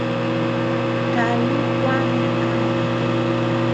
Kálu kuä num ámat.